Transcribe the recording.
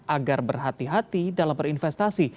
agar berhati hati dalam berinvestasi